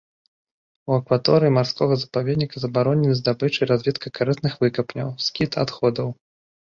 У акваторыі марскога запаведніка забаронены здабыча і разведка карысных выкапняў, скід адходаў.